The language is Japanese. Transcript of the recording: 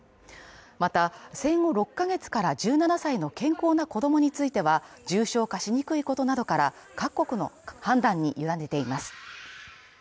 また、生後６ヶ月から１７歳の健康な子供については重症化しにくいことなどから、各国の判断に委ねています。